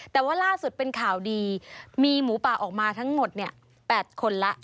แต่ว่าล่าสุดเป็นข่าวดีมีหมูป่าออกมาทั้งหมด๘คนแล้ว